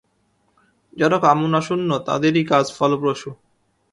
যাঁরা কামনাশূন্য, তাঁদেরই কাজ ফলপ্রসূ।